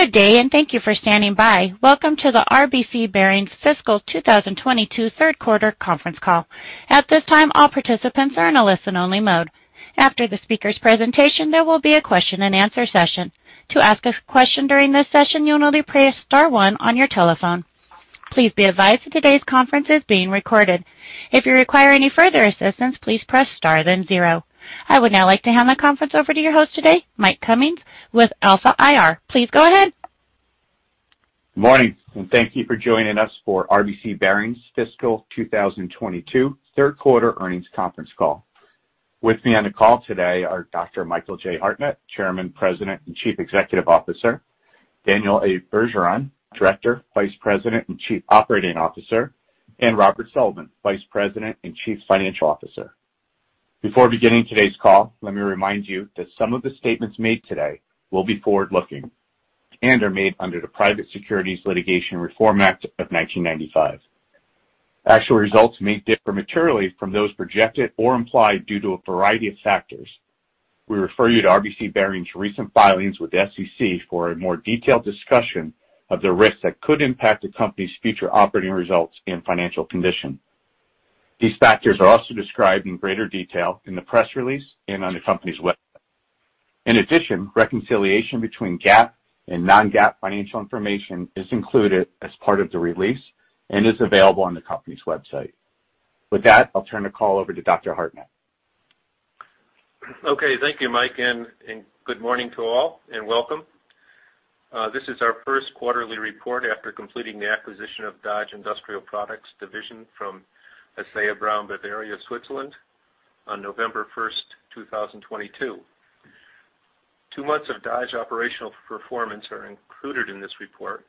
Good day, and thank you for standing by. Welcome to the RBC Bearings Fiscal 2022 Q3 Conference Call. At this time, all participants are in a listen-only mode. After the speaker's presentation, there will be a question-and-answer session. To ask a question during this session, you'll only press star one on your telephone. Please be advised that today's conference is being recorded. If you require any further assistance, please press star, then zero. I would now like to hand the conference over to your host today, Mike Cummings, with Alpha IR. Please go ahead. Good morning, and thank you for joining us for RBC Bearings Fiscal 2022 Q3 Earnings Conference Call. With me on the call today are Dr. Michael J. Hartnett, Chairman, President, and Chief Executive Officer; Daniel A. Bergeron, Director, Vice President, and Chief Operating Officer; and Robert M. Sullivan, Vice President and Chief Financial Officer. Before beginning today's call, let me remind you that some of the statements made today will be forward-looking and are made under the Private Securities Litigation Reform Act of 1995. Actual results may differ materially from those projected or implied due to a variety of factors. We refer you to RBC Bearings' recent filings with the SEC for a more detailed discussion of the risks that could impact the company's future operating results and financial condition. These factors are also described in greater detail in the press release and on the company's website. In addition, reconciliation between GAAP and Non-GAAP financial information is included as part of the release and is available on the company's website. With that, I'll turn the call over to Dr. Hartnett. Okay, thank you, Mike, and good morning to all, and welcome. This is our first quarterly report after completing the acquisition of Dodge Industrial Products division from Asea Brown Boveri, Switzerland, on November 1, 2022. Two months of Dodge operational performance are included in this report,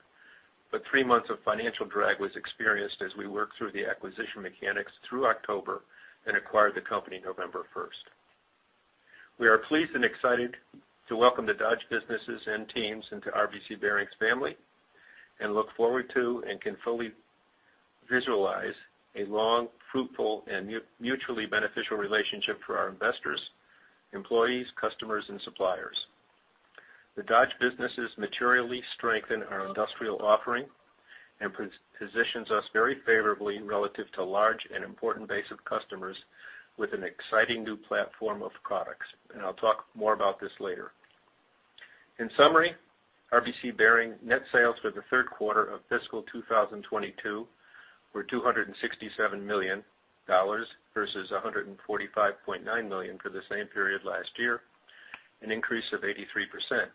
but three months of financial drag was experienced as we worked through the acquisition mechanics through October and acquired the company November 1. We are pleased and excited to welcome the Dodge businesses and teams into RBC Bearings family and look forward to and can fully visualize a long, fruitful, and mutually beneficial relationship for our investors, employees, customers, and suppliers. The Dodge businesses materially strengthen our industrial offering and positions us very favorably relative to a large and important base of customers with an exciting new platform of products, and I'll talk more about this later. In summary, RBC Bearings net sales for the Q3 of fiscal 2022 were $267 million versus $145.9 million for the same period last year, an increase of 83%.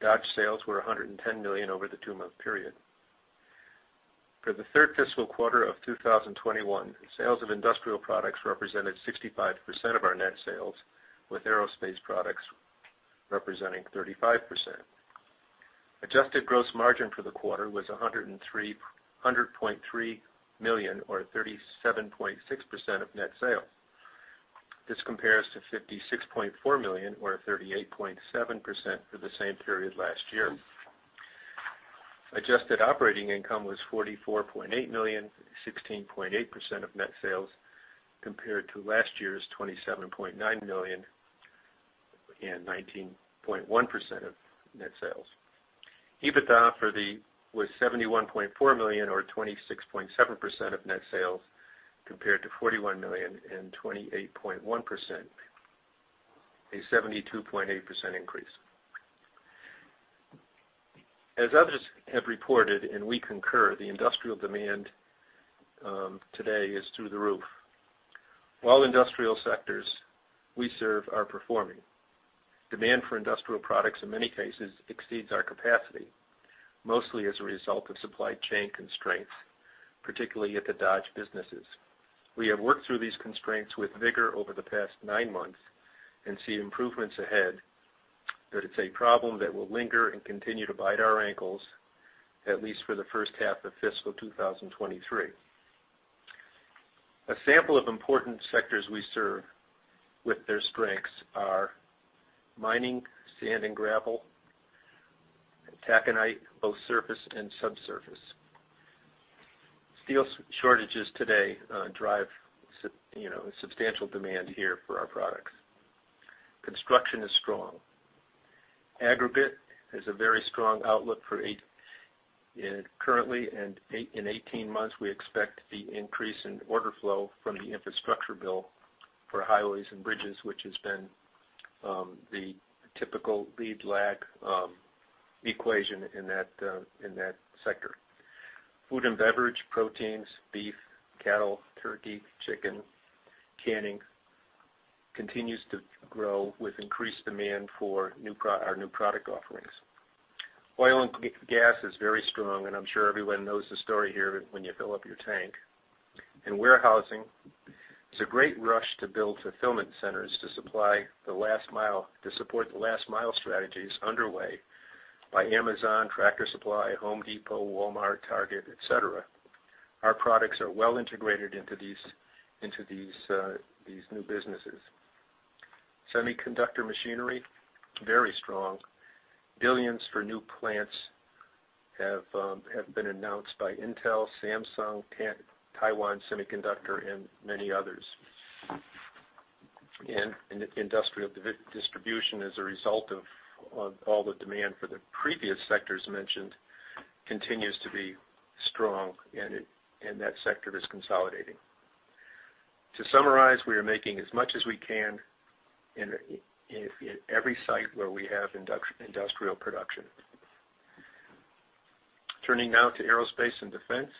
Dodge sales were $110 million over the two-month period. For the third fiscal quarter of 2021, sales of industrial products represented 65% of our net sales, with aerospace products representing 35%. Adjusted gross margin for the quarter was $100.3 million, or 37.6% of net sales. This compares to $56.4 million, or 38.7%, for the same period last year. Adjusted operating income was $44.8 million, 16.8% of net sales, compared to last year's $27.9 million and 19.1% of net sales. EBITDA was $71.4 million, or 26.7% of net sales, compared to $41 million and 28.1%, a 72.8% increase. As others have reported, and we concur, the industrial demand today is through the roof. While industrial sectors we serve are performing, demand for industrial products in many cases exceeds our capacity, mostly as a result of supply chain constraints, particularly at the Dodge businesses. We have worked through these constraints with vigor over the past nine months and see improvements ahead, but it's a problem that will linger and continue to bite our ankles, at least for the first half of fiscal 2023. A sample of important sectors we serve with their strengths are mining, sand and gravel, taconite, both surface and subsurface. Steel shortages today drive you know substantial demand here for our products. Construction is strong. Aggregate has a very strong outlook for 8 currently, and 8 in 18 months, we expect the increase in order flow from the infrastructure bill for highways and bridges, which has been the typical lead lag equation in that sector. Food and beverage, proteins, beef, cattle, turkey, chicken, canning continues to grow with increased demand for our new product offerings. Oil and gas is very strong, and I'm sure everyone knows the story here when you fill up your tank. And warehousing, it's a great rush to build fulfillment centers to supply the last mile, to support the last mile strategies underway by Amazon, Tractor Supply, Home Depot, Walmart, Target, et cetera. Our products are well integrated into these, into these, these new businesses. Semiconductor machinery, very strong. Billions for new plants have been announced by Intel, Samsung, Taiwan Semiconductor, and many others... and in industrial distribution as a result of all the demand for the previous sectors mentioned, continues to be strong, and that sector is consolidating. To summarize, we are making as much as we can in every site where we have industrial production. Turning now to aerospace and defense.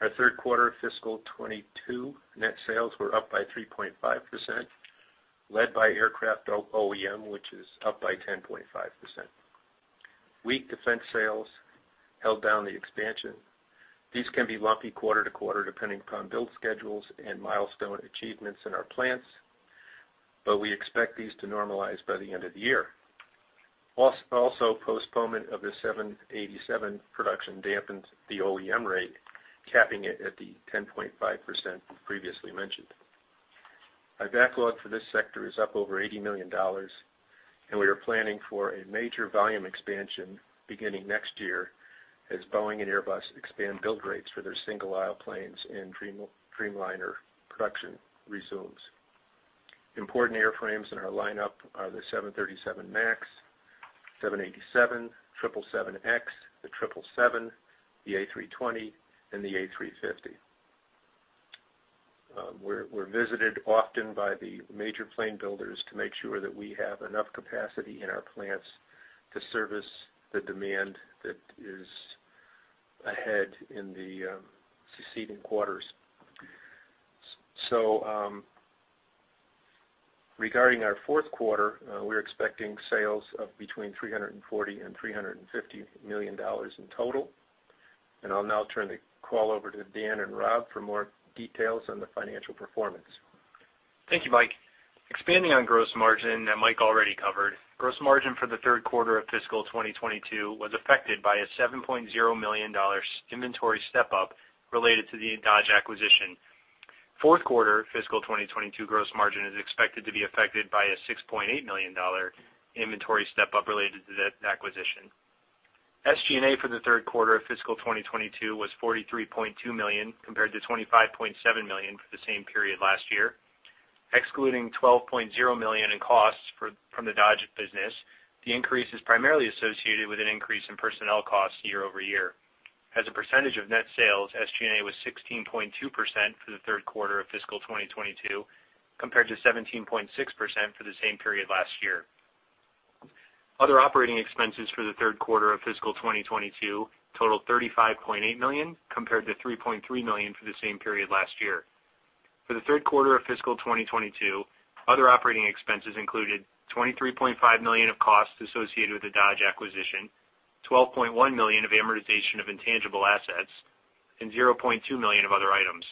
Our Q3 of fiscal 2022, net sales were up by 3.5%, led by aircraft OEM, which is up by 10.5%. Weak defense sales held down the expansion. These can be lumpy quarter-to-quarter, depending upon build schedules and milestone achievements in our plants, but we expect these to normalize by the end of the year. Also, postponement of the 787 production dampened the OEM rate, capping it at the 10.5% previously mentioned. Our backlog for this sector is up over $80 million, and we are planning for a major volume expansion beginning next year, as Boeing and Airbus expand build rates for their single-aisle planes and Dreamliner production resumes. Important airframes in our lineup are the 737 MAX, 787, 777X, the 777, the A320, and the A350. We're visited often by the major plane builders to make sure that we have enough capacity in our plants to service the demand that is ahead in the succeeding quarters. Regarding our Q4, we're expecting sales of between $340 million and $350 million in total. I'll now turn the call over to Dan and Rob for more details on the financial performance. Thank you, Mike. Expanding on gross margin that Mike already covered, gross margin for the Q3 of fiscal 2022 was affected by a $7.0 million inventory step-up related to the Dodge acquisition. Q4, fiscal 2022 gross margin is expected to be affected by a $6.8 million inventory step-up related to the acquisition. SG&A for the Q3of fiscal 2022 was $43.2 million, compared to $25.7 million for the same period last year. Excluding $12.0 million in costs from the Dodge business, the increase is primarily associated with an increase in personnel costs year-over-year. As a percentage of net sales, SG&A was 16.2% for the Q3 of fiscal 2022, compared to 17.6% for the same period last year. Other operating expenses for the Q3 of fiscal 2022 totaled $35.8 million, compared to $3.3 million for the same period last year. For the Q3 of fiscal 2022, other operating expenses included $23.5 million of costs associated with the Dodge acquisition, $12.1 million of amortization of intangible assets, and $0.2 million of other items.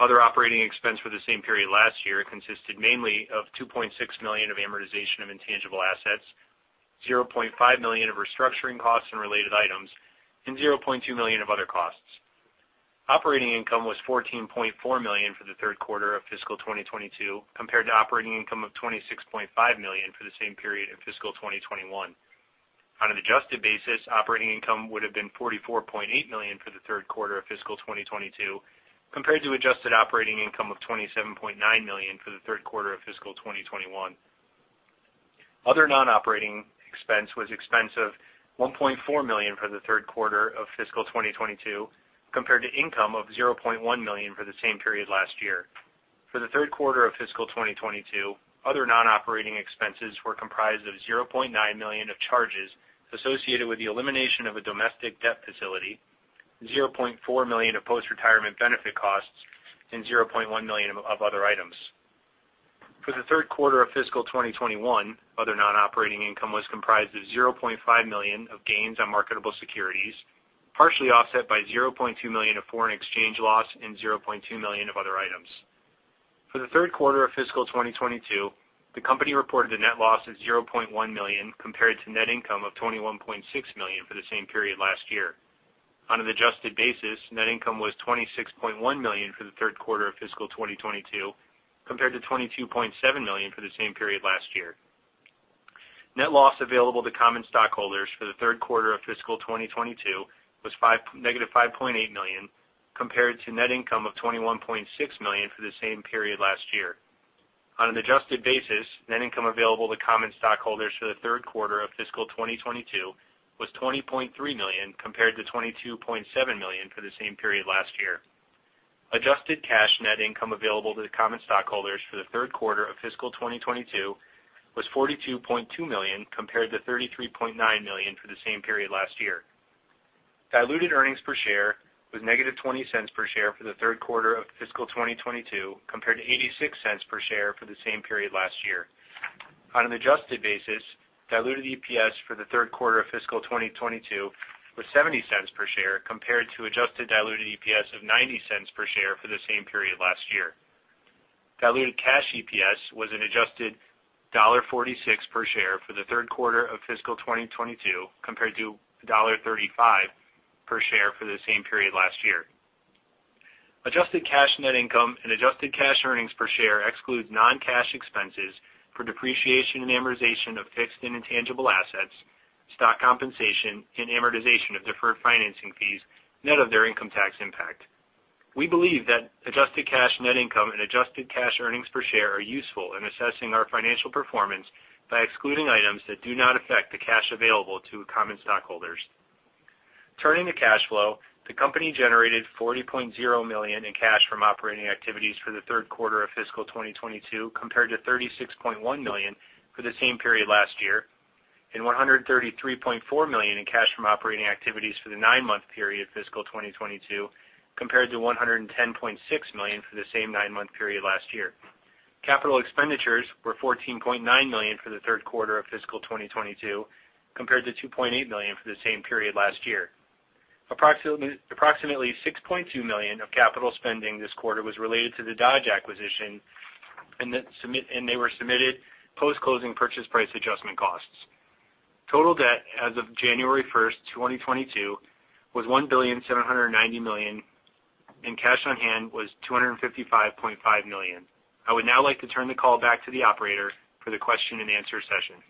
Other operating expense for the same period last year consisted mainly of $2.6 million of amortization of intangible assets, $0.5 million of restructuring costs and related items, and $0.2 million of other costs. Operating income was $14.4 million for the Q3 of fiscal 2022, compared to operating income of $26.5 million for the same period in fiscal 2021. On an adjusted basis, operating income would have been $44.8 million for the Q3 of fiscal 2022, compared to adjusted operating income of $27.9 million for the Q3 of fiscal 2021. Other non-operating expense was expense of $1.4 million for the Q3 of fiscal 2022, compared to income of $0.1 million for the same period last year. For the Q3 of fiscal 2022, other non-operating expenses were comprised of $0.9 million of charges associated with the elimination of a domestic debt facility, $0.4 million of post-retirement benefit costs, and $0.1 million of other items. For the Q3 of fiscal 2021, other non-operating income was comprised of $0.5 million of gains on marketable securities, partially offset by $0.2 million of foreign exchange loss and $0.2 million of other items. For the Q3 of fiscal 2022, the company reported a net loss of $0.1 million, compared to net income of $21.6 million for the same period last year. On an adjusted basis, net income was $26.1 million for the Q3 of fiscal 2022, compared to $22.7 million for the same period last year. Net loss available to common stockholders for the Q3 of fiscal 2022 was negative $5.8 million, compared to net income of $21.6 million for the same period last year. On an adjusted basis, net income available to common stockholders for the Q3 of fiscal 2022 was $20.3 million, compared to $22.7 million for the same period last year. Adjusted cash net income available to the common stockholders for the Q3 of fiscal 2022 was $42.2 million, compared to $33.9 million for the same period last year. Diluted earnings per share was -$0.20 per share for the Q3 of fiscal 2022, compared to $0.86 per share for the same period last year. On an adjusted basis, diluted EPS for the Q3 of fiscal 2022 was $0.70 per share, compared to adjusted diluted EPS of $0.90 per share for the same period last year. Diluted Cash EPS was an adjusted $0.46 per share for the Q3 of fiscal 2022, compared to $0.35 per share for the same period last year. Adjusted cash net income and adjusted cash earnings per share excludes non-cash expenses for depreciation and amortization of fixed intangible assets- ... stock compensation, and amortization of deferred financing fees, net of their income tax impact. We believe that adjusted cash net income and adjusted cash earnings per share are useful in assessing our financial performance by excluding items that do not affect the cash available to common stockholders. Turning to cash flow, the company generated $40.0 million in cash from operating activities for the Q3 of fiscal 2022, compared to $36.1 million for the same period last year, and $133.4 million in cash from operating activities for the nine-month period fiscal 2022, compared to $110.6 million for the same nine-month period last year. Capital expenditures were $14.9 million for the Q3 of fiscal 2022, compared to $2.8 million for the same period last year. Approximately $6.2 million of capital spending this quarter was related to the Dodge acquisition, and they were submitted post-closing purchase price adjustment costs. Total debt as of January 1, 2022, was $1.79 billion, and cash on hand was $255.5 million. I would now like to turn the call back to the operator for the question-and-answer session.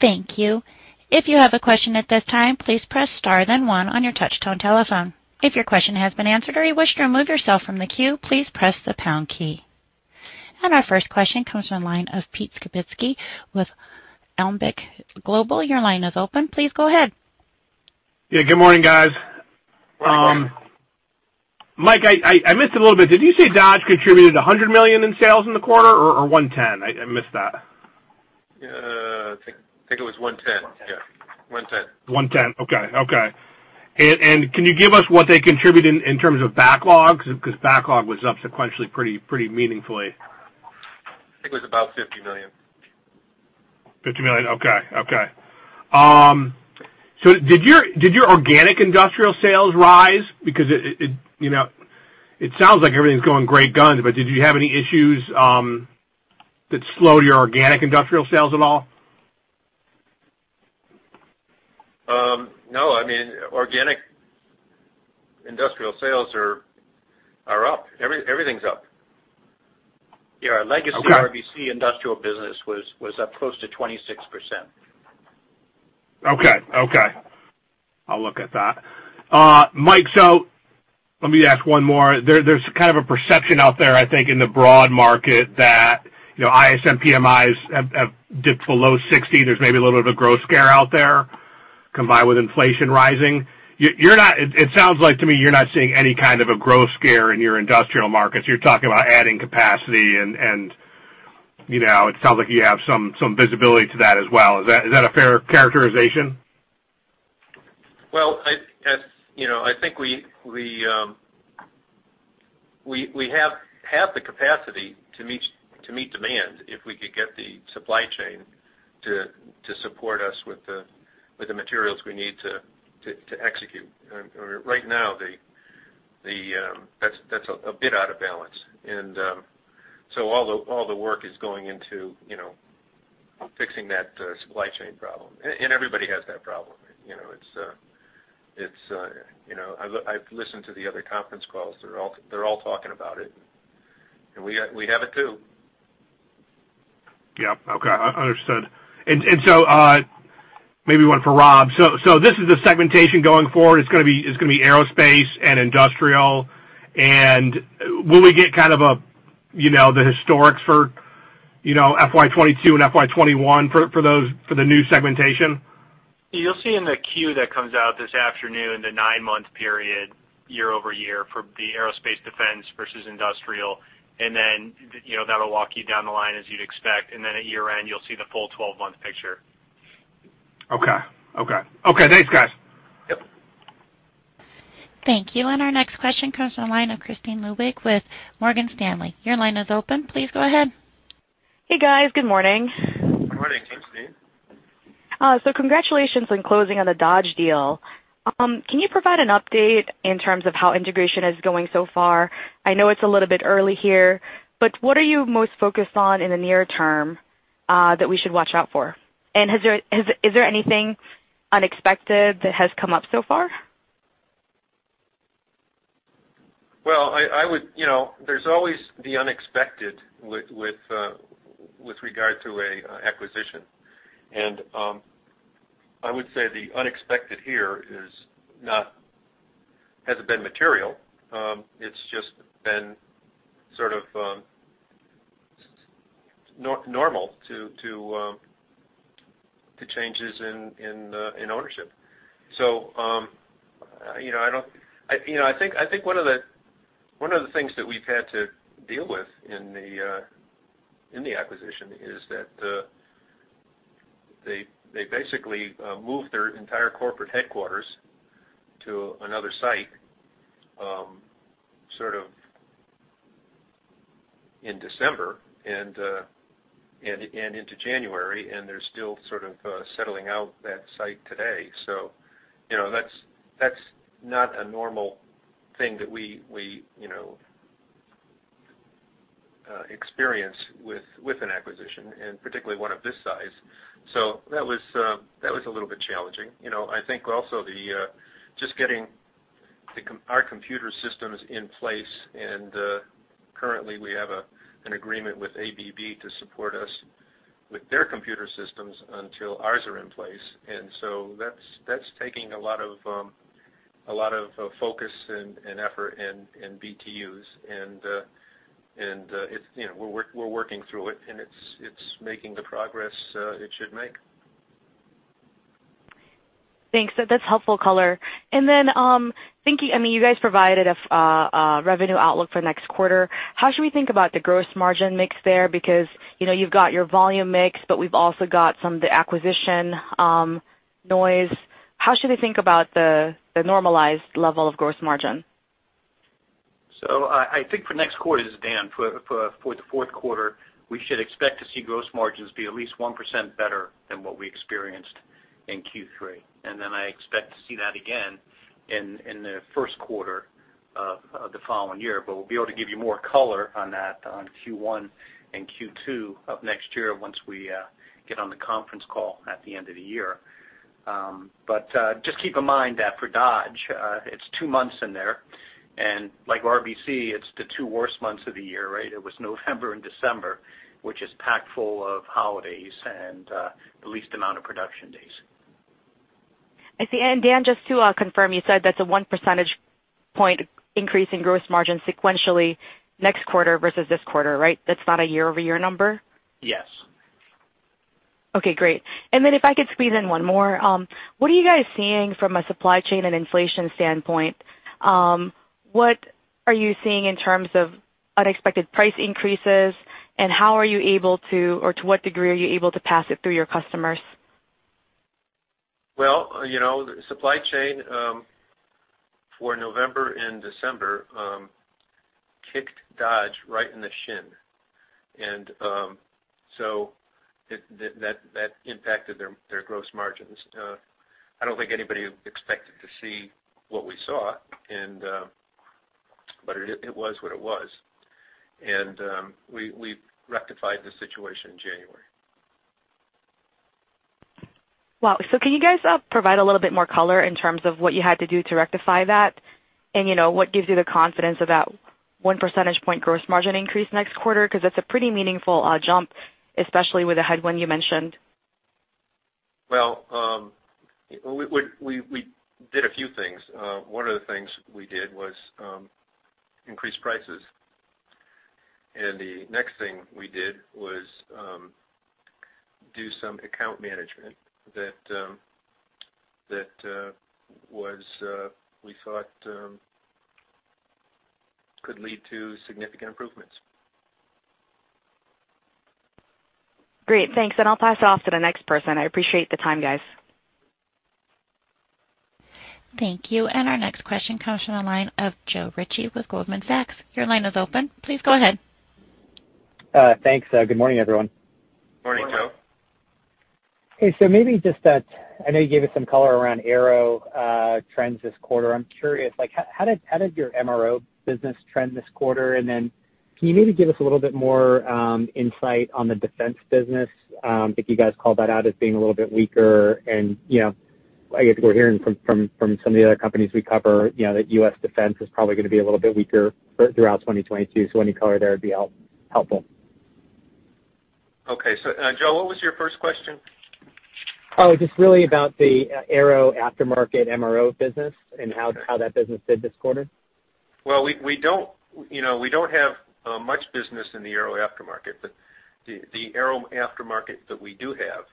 Thank you. If you have a question at this time, please press star, then one on your touchtone telephone. If your question has been answered or you wish to remove yourself from the queue, please press the pound key. Our first question comes from the line of Pete Skibitski with Alembic Global. Your line is open. Please go ahead. Yeah, good morning, guys. Mike, I missed a little bit. Did you say Dodge contributed $100 million in sales in the quarter or $110 million? I missed that. I think it was 110. One ten. Yeah, 110. 110. Okay. Okay. And, and can you give us what they contributed in, in terms of backlogs? Because backlog was up sequentially pretty, pretty meaningfully. I think it was about $50 million. $50 million. Okay. Okay. So did your organic industrial sales rise? Because it, you know, it sounds like everything's going great guns, but did you have any issues that slowed your organic industrial sales at all? No. I mean, organic industrial sales are up. Everything's up. Yeah. Okay. Our legacy RBC Industrial business was up close to 26%. Okay. Okay. I'll look at that. Mike, so let me ask one more. There's kind of a perception out there, I think in the broad market, that, you know, ISM PMIs have dipped below 60. There's maybe a little bit of a growth scare out there, combined with inflation rising. You're not - it sounds like to me you're not seeing any kind of a growth scare in your industrial markets. You're talking about adding capacity and, you know, it sounds like you have some visibility to that as well. Is that a fair characterization? Well, as you know, I think we have the capacity to meet demand if we could get the supply chain to support us with the materials we need to execute. Right now, that's a bit out of balance. And so all the work is going into, you know, fixing that supply chain problem. And everybody has that problem, you know, it's, you know... I've listened to the other conference calls. They're all talking about it. And we have it, too. Yeah. Okay. Understood. And so, maybe one for Rob. So this is the segmentation going forward. It's gonna be aerospace and industrial. And will we get kind of a, you know, the historics for, you know, FY 2022 and FY 2021 for those, for the new segmentation? You'll see in the queue that comes out this afternoon, the 9-month period year-over-year for the aerospace defense versus industrial. And then, you know, that'll walk you down the line as you'd expect. And then at year-end, you'll see the full 12-month picture. Okay. Okay. Okay, thanks, guys. Yep. Thank you. And our next question comes from the line of Kristine Liwag with Morgan Stanley. Your line is open. Please go ahead. Hey, guys. Good morning. Good morning, Kristine. Congratulations on closing on the Dodge deal. Can you provide an update in terms of how integration is going so far? I know it's a little bit early here, but what are you most focused on in the near term that we should watch out for? And is there anything unexpected that has come up so far? Well, I would. You know, there's always the unexpected with regard to an acquisition. And I would say the unexpected here has not been material. It's just been sort of normal to changes in ownership. So, you know, I think one of the things that we've had to deal with in the acquisition is that they basically moved their entire corporate headquarters to another site, sort of in December and into January, and they're still sort of settling out that site today. So you know, that's not a normal thing that we you know experience with an acquisition, and particularly one of this size. So that was, that was a little bit challenging. You know, I think also just getting our computer systems in place, and currently, we have an agreement with ABB to support us with their computer systems until ours are in place. And so that's taking a lot of focus and effort and BTUs. And it's, you know, we're working through it, and it's making the progress it should make. Thanks. So that's helpful color. And then, thinking, I mean, you guys provided a revenue outlook for next quarter. How should we think about the gross margin mix there? Because, you know, you've got your volume mix, but we've also got some of the acquisition noise. How should we think about the normalized level of gross margin? So I think for next quarter, this is Dan, for the Q4, we should expect to see gross margins be at least 1% better than what we experienced in Q3. And then I expect to see that again in the Q1 of the following year. But we'll be able to give you more color on that on Q1 and Q2 of next year once we get on the conference call at the end of the year. But just keep in mind that for Dodge, it's two months in there, and like RBC, it's the two worst months of the year, right? It was November and December, which is packed full of holidays and the least amount of production days. I see. And Dan, just to confirm, you said that's a one percentage point increase in gross margin sequentially next quarter versus this quarter, right? That's not a year-over-year number? Yes. Okay, great. And then if I could squeeze in one more. What are you guys seeing from a supply chain and inflation standpoint? What are you seeing in terms of unexpected price increases, and how are you able to, or to what degree are you able to pass it through your customers? Well, you know, the supply chain for November and December kicked Dodge right in the shin. And, so that impacted their gross margins. I don't think anybody expected to see what we saw, and, but it was what it was. And, we've rectified the situation in January. Wow! So can you guys provide a little bit more color in terms of what you had to do to rectify that? And, you know, what gives you the confidence of that one percentage point gross margin increase next quarter? Because it's a pretty meaningful jump, especially with the headwind you mentioned. Well, we did a few things. One of the things we did was increase prices. The next thing we did was do some account management that we thought could lead to significant improvements. Great, thanks. I'll pass off to the next person. I appreciate the time, guys. Thank you. Our next question comes from the line of Joe Ritchie with Goldman Sachs. Your line is open. Please go ahead. Thanks. Good morning, everyone. Morning, Joe. Okay, so maybe just that. I know you gave us some color around aero trends this quarter. I'm curious, like, how did your MRO business trend this quarter? And then can you maybe give us a little bit more insight on the defense business? I think you guys called that out as being a little bit weaker. And, you know, I guess we're hearing from some of the other companies we cover, you know, that U.S. defense is probably gonna be a little bit weaker throughout 2022. So any color there would be helpful. Okay. So, Joe, what was your first question? Oh, just really about the aero aftermarket MRO business and how- Okay how that business did this quarter. Well, we don't, you know, we don't have much business in the aero aftermarket, but the aero aftermarket that we do have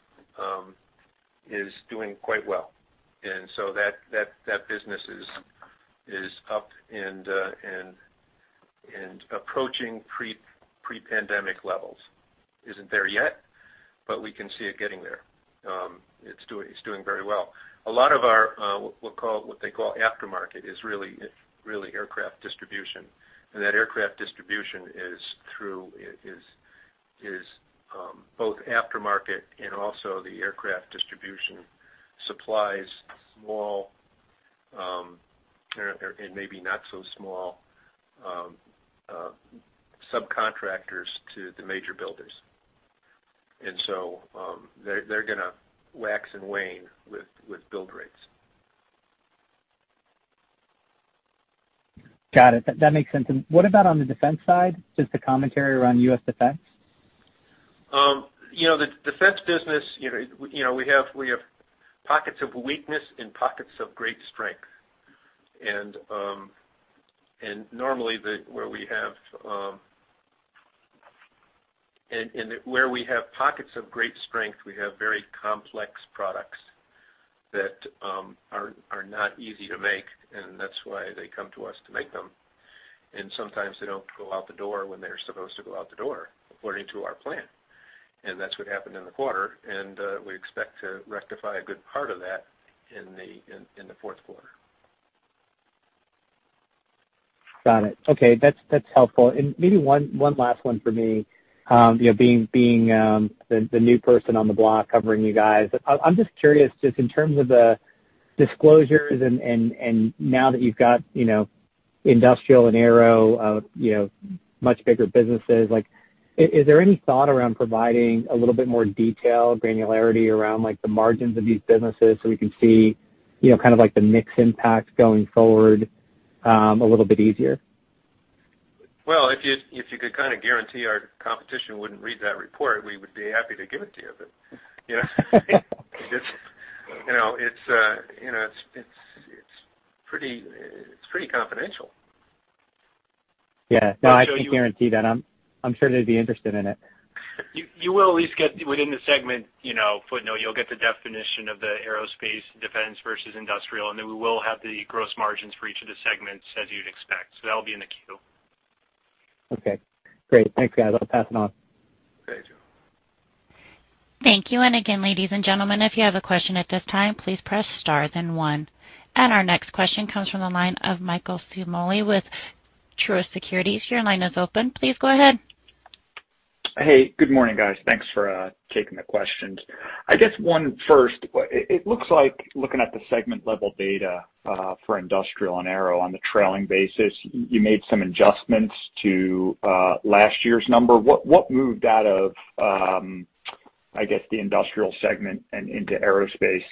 is doing quite well. And so that business is up and approaching pre-pandemic levels. It's not there yet, but we can see it getting there. It's doing very well. A lot of our what we'll call, what they call aftermarket is really, really aircraft distribution. And that aircraft distribution is both aftermarket and also the aircraft distribution supplies small or maybe not so small subcontractors to the major builders. And so they're gonna wax and wane with build rates. Got it. That makes sense. And what about on the defense side? Just the commentary around U.S. defense. You know, the defense business, you know, we have pockets of weakness and pockets of great strength. And normally, where we have pockets of great strength, we have very complex products that are not easy to make, and that's why they come to us to make them. And sometimes they don't go out the door when they're supposed to go out the door, according to our plan. And that's what happened in the quarter, and we expect to rectify a good part of that in the Q4. Got it. Okay, that's helpful. And maybe one last one for me. You know, being the new person on the block covering you guys. I'm just curious, just in terms of the disclosures and now that you've got, you know, industrial and aero, you know, much bigger businesses. Like, is there any thought around providing a little bit more detail, granularity around, like, the margins of these businesses, so we can see, you know, kind of like the mix impact going forward, a little bit easier? Well, if you, if you could kind of guarantee our competition wouldn't read that report, we would be happy to give it to you. But, you know, it's, you know, it's, it's pretty, it's pretty confidential. Yeah. No, I can guarantee that. I'm sure they'd be interested in it. You will at least get within the segment, you know, footnote; you'll get the definition of the aerospace, defense versus industrial, and then we will have the gross margins for each of the segments as you'd expect. So that'll be in the Q. Okay, great. Thanks, guys. I'll pass it on. Thank you. Thank you. And again, ladies and gentlemen, if you have a question at this time, please press Star, then one. And our next question comes from the line of Michael Ciarmoli with Truist Securities. Your line is open. Please go ahead. Hey, good morning, guys. Thanks for taking the questions. I guess one first, it looks like looking at the segment level data for industrial and aero on the trailing basis, you made some adjustments to last year's number. What moved out of, I guess, the industrial segment and into aerospace?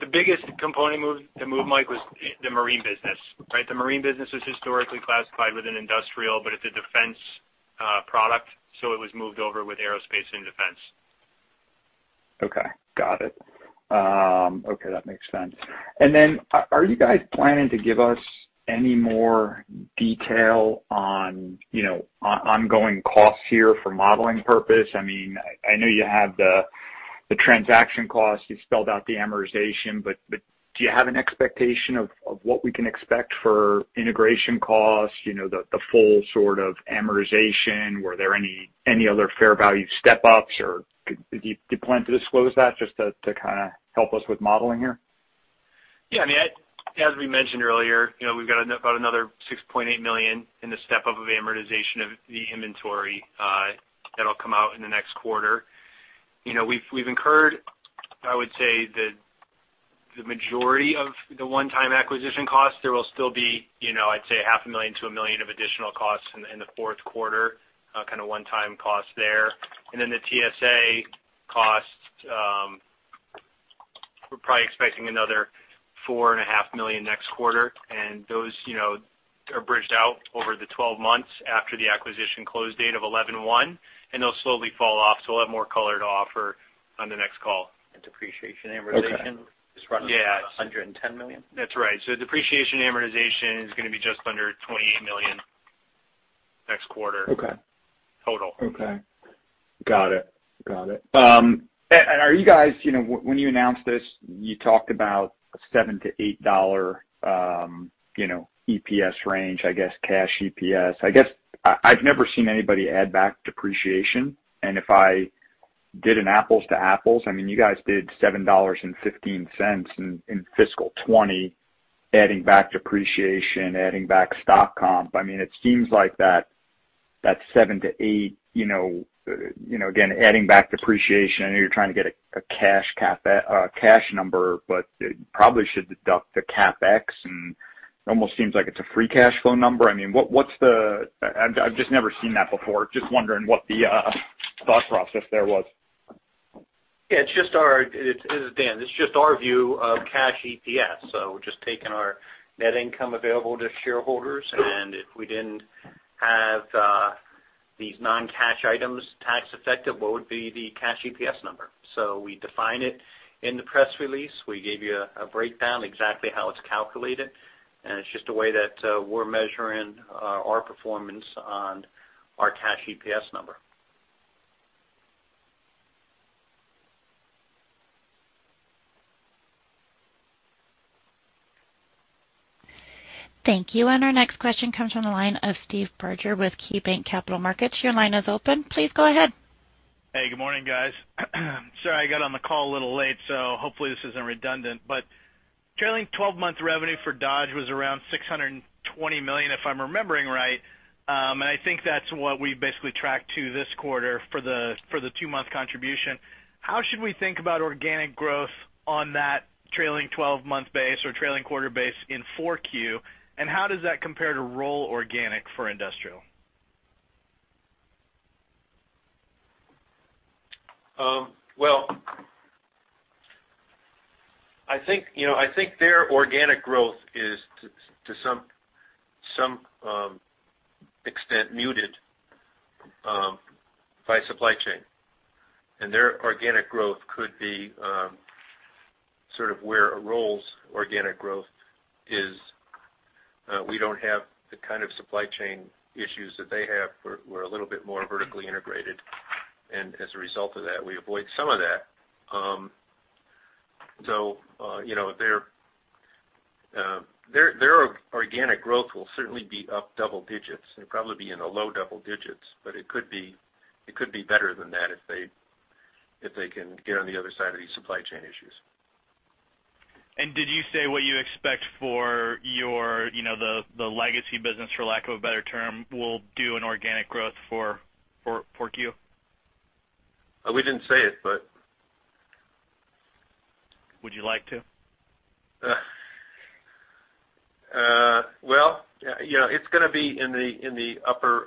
The biggest component move, Mike, was the marine business, right? The marine business was historically classified within industrial, but it's a defense product, so it was moved over with aerospace and defense. Okay, got it. Okay, that makes sense. And then, are you guys planning to give us any more detail on, you know, ongoing costs here for modeling purpose? I mean, I know you have the transaction costs. You spelled out the amortization, but do you have an expectation of what we can expect for integration costs, you know, the full sort of amortization? Were there any other fair value step ups, or do you plan to disclose that just to kind of help us with modeling here? Yeah, I mean, as we mentioned earlier, you know, we've got about another $6.8 million in the step up of amortization of the inventory. That'll come out in the next quarter. You know, we've incurred, I would say, the majority of the one-time acquisition costs. There will still be, you know, I'd say, $500,000-$1 million of additional costs in the Q4, kind of one-time costs there. And then the TSA costs, we're probably expecting another $4.5 million next quarter, and those, you know, are bridged out over the 12 months after the acquisition close date of 11/1, and they'll slowly fall off. So we'll have more color to offer on the next call. And depreciation, amortization. Okay. Is running about $110 million? That's right. So depreciation amortization is going to be just under $28 million next quarter. Okay. Total. Okay. Got it. Got it. And are you guys, you know, when you announced this, you talked about $7-$8, you know, EPS range, I guess, cash EPS. I guess I've never seen anybody add back depreciation, and if I did an apples to apples, I mean, you guys did $7.15 in fiscal 2020, adding back depreciation, adding back stock comp. I mean, it seems like that $7-$8, you know, again, adding back depreciation, I know you're trying to get a cash cap, cash number, but you probably should deduct the CapEx, and it almost seems like it's a free cash flow number. I mean, what's the... I've just never seen that before. Just wondering what the thought process there was. it's just our view of Cash EPS. This is Dan. It's just our view of Cash EPS. So just taking our net income available to shareholders, and if we didn't have these non-cash items tax effective, what would be the Cash EPS number? So we define it in the press release. We gave you a breakdown, exactly how it's calculated, and it's just a way that we're measuring our performance on our Cash EPS number. Thank you. Our next question comes from the line of Steve Barger with KeyBanc Capital Markets. Your line is open. Please go ahead. Hey, good morning, guys. Sorry, I got on the call a little late, so hopefully this isn't redundant. But trailing twelve-month revenue for Dodge was around $620 million, if I'm remembering right. And I think that's what we basically tracked to this quarter for the, for the two-month contribution. How should we think about organic growth on that trailing twelve-month base or trailing quarter base in 4Q, and how does that compare to RBC organic for industrial? Well, I think, you know, I think their organic growth is to some extent muted by supply chain. And their organic growth could be sort of where a roll's organic growth is. We don't have the kind of supply chain issues that they have. We're a little bit more vertically integrated, and as a result of that, we avoid some of that. So, you know, their organic growth will certainly be up double digits. It'll probably be in the low double digits, but it could be better than that if they can get on the other side of these supply chain issues. Did you say what you expect for your, you know, the legacy business, for lack of a better term, will do an organic growth for 4Q? We didn't say it, but-... Would you like to? Well, you know, it's gonna be in the upper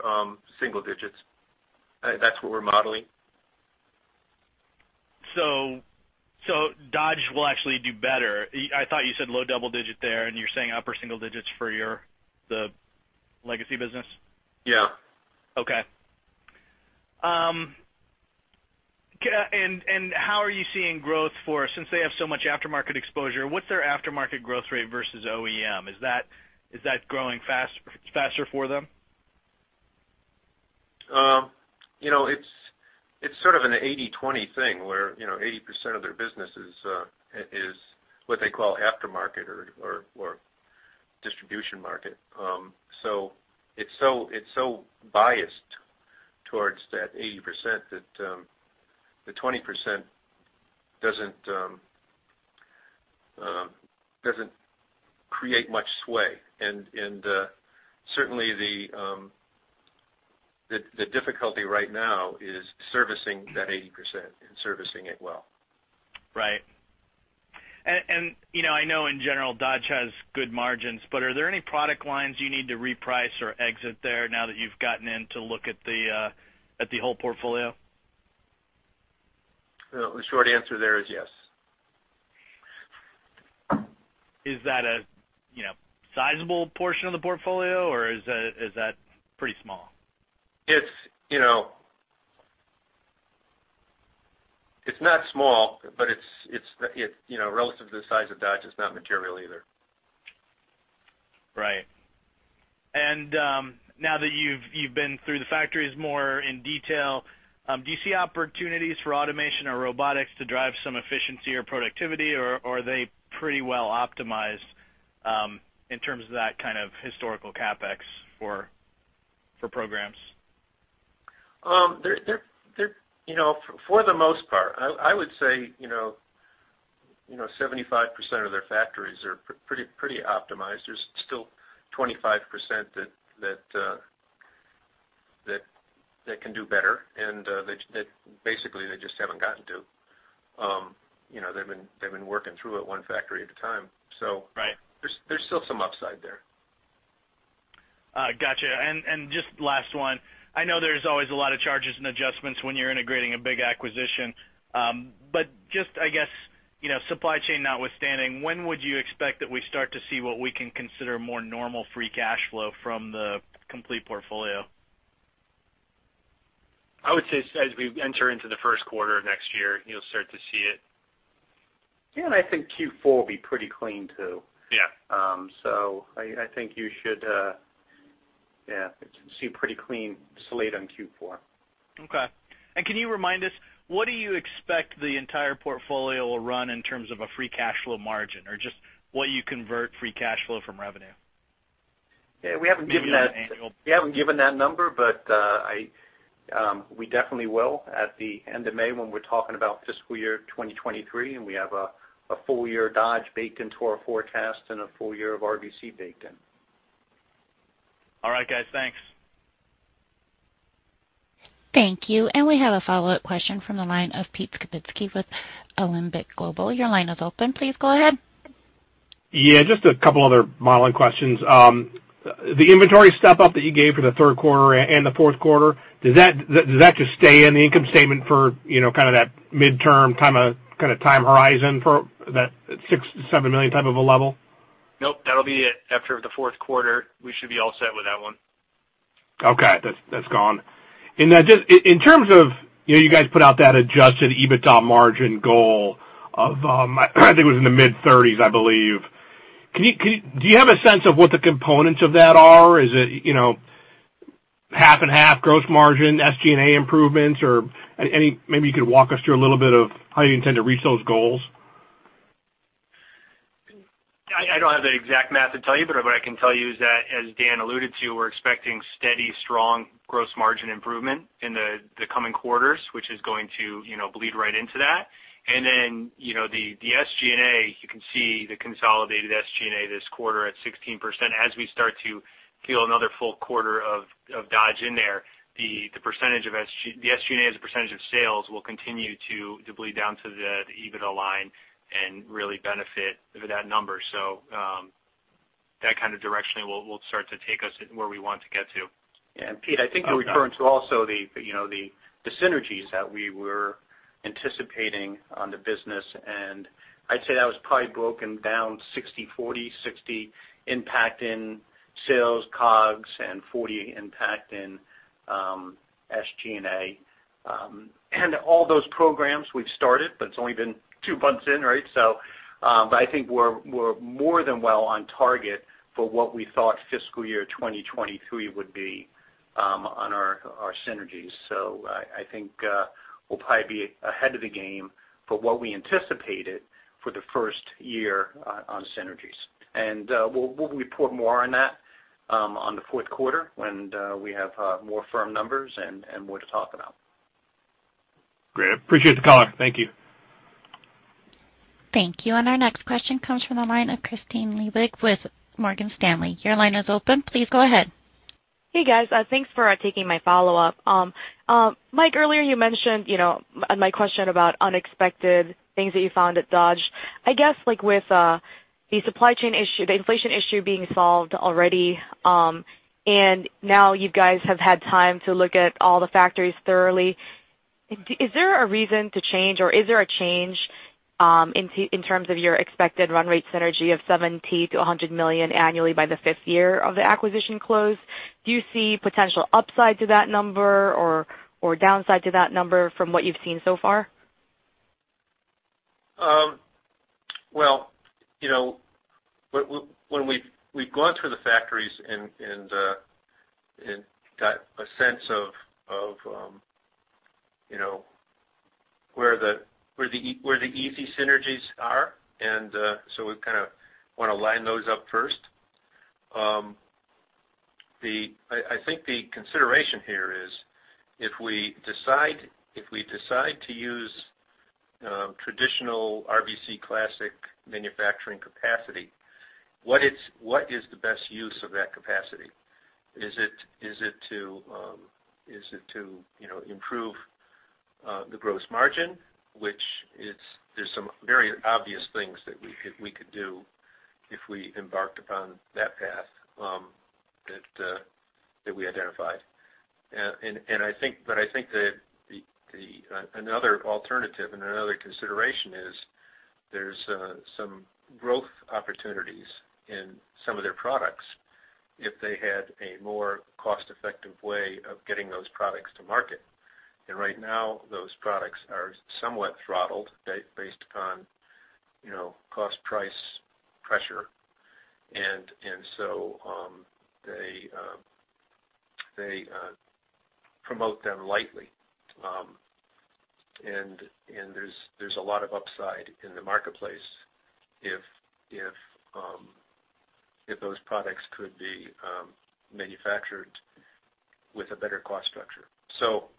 single digits. That's what we're modeling. So, Dodge will actually do better. I thought you said low double digit there, and you're saying upper single digits for your, the legacy business? Yeah. Okay. And how are you seeing growth for, since they have so much aftermarket exposure, what's their aftermarket growth rate versus OEM? Is that growing faster for them? You know, it's sort of an 80/20 thing, where, you know, 80% of their business is what they call aftermarket or distribution market. So it's so biased towards that 80% that the 20% doesn't create much sway. And certainly the difficulty right now is servicing that 80% and servicing it well. Right. You know, I know in general, Dodge has good margins, but are there any product lines you need to reprice or exit there now that you've gotten in to look at the whole portfolio? Well, the short answer there is yes. Is that a, you know, sizable portion of the portfolio, or is that, is that pretty small? It's not small, but it's, you know, relative to the size of Dodge. It's not material either. Right. And now that you've been through the factories more in detail, do you see opportunities for automation or robotics to drive some efficiency or productivity, or are they pretty well optimized in terms of that kind of historical CapEx for programs? They're, you know, for the most part, I would say, you know, 75% of their factories are pretty optimized. There's still 25% that can do better, and basically, they just haven't gotten to. You know, they've been working through it one factory at a time. So- Right. There's still some upside there. Gotcha. And just last one: I know there's always a lot of charges and adjustments when you're integrating a big acquisition, but just, I guess, you know, supply chain notwithstanding, when would you expect that we start to see what we can consider more normal free cash flow from the complete portfolio? I would say as we enter into the Q1 of next year, you'll start to see it. Yeah, and I think Q4 will be pretty clean, too. Yeah. So, I think you should, yeah, it seems pretty clean slate on Q4. Okay. Can you remind us what you expect the entire portfolio will run in terms of a free cash flow margin, or just what you convert free cash flow from revenue? Yeah, we haven't given that- Annual. We haven't given that number, but we definitely will at the end of May when we're talking about fiscal year 2023, and we have a full year Dodge baked into our forecast and a full year of RBC baked in. All right, guys. Thanks. Thank you. We have a follow-up question from the line of Pete Skibitski with Alembic Global. Your line is open. Please go ahead. Yeah, just a couple other modeling questions. The inventory step up that you gave for the Q3 and the Q4, does that, does that just stay in the income statement for, you know, kind of that midterm, kind of, kind of time horizon for that $6-$7 million type of a level? Nope, that'll be it. After the Q4, we should be all set with that one. Okay, that's, that's gone. And then just in terms of, you know, you guys put out that adjusted EBITDA margin goal of, I think it was in the mid-30s, I believe. Can you, do you have a sense of what the components of that are? Is it, you know, 50/50 gross margin, SG&A improvements, or any, maybe you could walk us through a little bit of how you intend to reach those goals. I don't have the exact math to tell you, but what I can tell you is that, as Dan alluded to, we're expecting steady, strong gross margin improvement in the coming quarters, which is going to, you know, bleed right into that. And then, you know, the SG&A, you can see the consolidated SG&A this quarter at 16%. As we start to peel another full quarter of Dodge in there, the percentage of SG&A as a percentage of sales will continue to bleed down to the EBITDA line and really benefit that number. So, that kind of directionally will start to take us where we want to get to. Yeah, and Pete, I think you're referring to also the, you know, the synergies that we were anticipating on the business, and I'd say that was probably broken down 60/40. 60 impact in sales, COGS, and 40 impact in SG&A. And all those programs we've started, but it's only been two months in, right? So, but I think we're more than well on target for what we thought fiscal year 2023 would be on our synergies. So I think we'll probably be ahead of the game for what we anticipated for the first year on synergies. And we'll report more on that on the Q4, when we have more firm numbers and more to talk about. Great. I appreciate the call. Thank you. Thank you. And our next question comes from the line of Kristine Liwag with Morgan Stanley. Your line is open. Please go ahead.... Hey, guys. Thanks for taking my follow-up. Mike, earlier you mentioned, you know, my question about unexpected things that you found at Dodge. I guess, like with the supply chain issue, the inflation issue being solved already, and now you guys have had time to look at all the factories thoroughly, is there a reason to change, or is there a change, in terms of your expected run rate synergy of $70-$100 million annually by the fifth year of the acquisition close? Do you see potential upside to that number or downside to that number from what you've seen so far? Well, you know, when we've gone through the factories and got a sense of, you know, where the easy synergies are, and so we kind of wanna line those up first. I think the consideration here is if we decide to use traditional RVC classic manufacturing capacity, what is the best use of that capacity? Is it to, you know, improve the gross margin, which it's -- there's some very obvious things that we could do if we embarked upon that path that we identified. I think that another alternative and another consideration is there's some growth opportunities in some of their products if they had a more cost-effective way of getting those products to market. And right now, those products are somewhat throttled based upon, you know, cost, price, pressure, and so, they promote them lightly. And there's a lot of upside in the marketplace if those products could be manufactured with a better cost structure. So,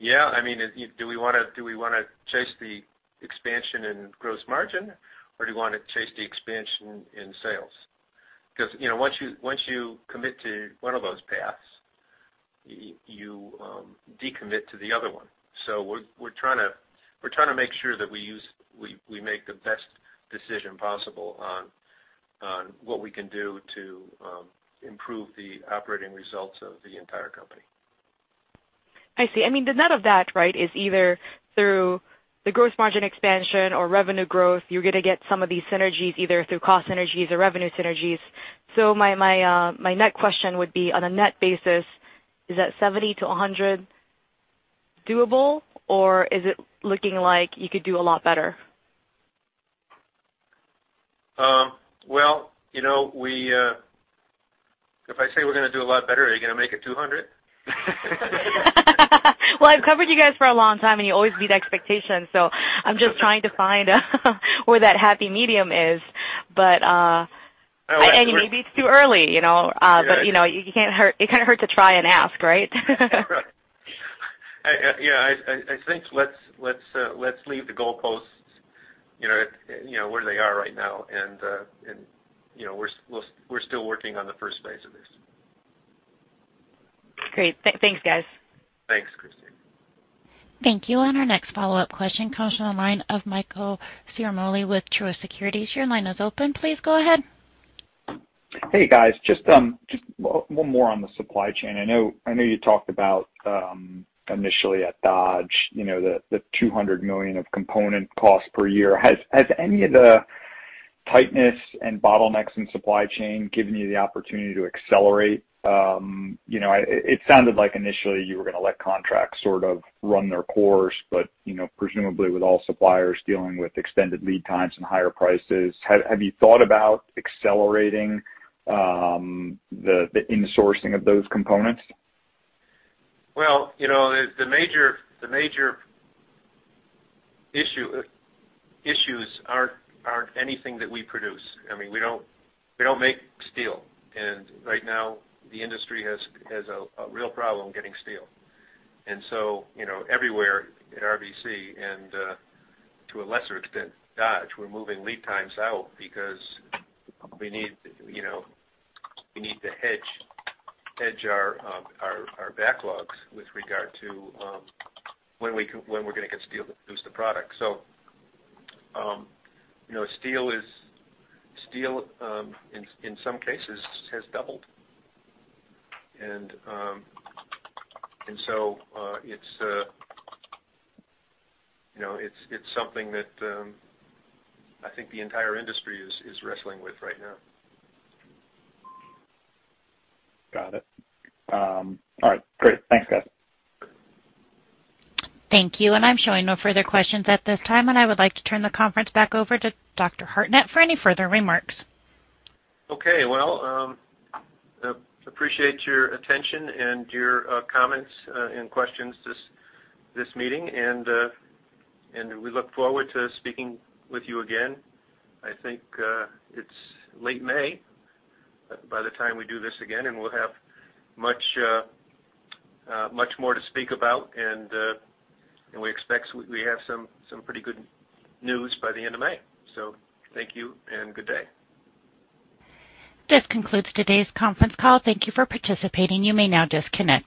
yeah, I mean, do we wanna chase the expansion in gross margin, or do you wanna chase the expansion in sales? Because, you know, once you commit to one of those paths, you decommit to the other one. So we're trying to make sure that we use—we make the best decision possible on what we can do to improve the operating results of the entire company. I see. I mean, the net of that, right, is either through the gross margin expansion or revenue growth, you're gonna get some of these synergies, either through cost synergies or revenue synergies. So my, my, my next question would be, on a net basis, is that 70-100 doable, or is it looking like you could do a lot better? Well, you know, if I say we're gonna do a lot better, are you gonna make it $200? Well, I've covered you guys for a long time, and you always beat expectations, so I'm just trying to find where that happy medium is. But, Well, I- Maybe it's too early, you know, but, you know, it can't hurt, it can't hurt to try and ask, right? Right. Yeah, I think let's leave the goalposts, you know, you know, where they are right now, and, and, you know, we're still working on the first phase of this. Great. Thanks, guys. Thanks, Christine. Thank you. And our next follow-up question comes from the line of Michael Ciarmoli with Truist Securities. Your line is open. Please go ahead. Hey, guys. Just one more on the supply chain. I know, I know you talked about initially at Dodge, you know, the $200 million of component costs per year. Has any of the tightness and bottlenecks in supply chain given you the opportunity to accelerate? You know, it sounded like initially you were gonna let contracts sort of run their course, but, you know, presumably with all suppliers dealing with extended lead times and higher prices, have you thought about accelerating the insourcing of those components? Well, you know, the major issues aren't anything that we produce. I mean, we don't make steel, and right now, the industry has a real problem getting steel. And so, you know, everywhere at RBC and, to a lesser extent, Dodge, we're moving lead times out because we need, you know, we need to hedge our backlogs with regard to when we're gonna get steel to produce the product. So, you know, steel is... Steel, in some cases has doubled. And, and so, it's, you know, it's something that, I think the entire industry is wrestling with right now. Got it. All right, great. Thanks, guys. Thank you. And I'm showing no further questions at this time, and I would like to turn the conference back over to Dr. Hartnett for any further remarks. Okay. Well, appreciate your attention and your comments and questions this meeting, and we look forward to speaking with you again. I think it's late May by the time we do this again, and we'll have much more to speak about, and we expect we have some pretty good news by the end of May. So thank you and good day. This concludes today's conference call. Thank you for participating. You may now disconnect.